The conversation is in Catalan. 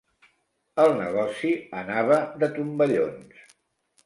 El negoci anava de tomballons.